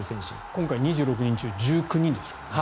今回２６人中１９人ですから。